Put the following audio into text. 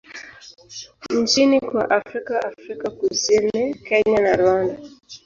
nchini kwa Afrika Afrika Kusini, Kenya na Rwanda.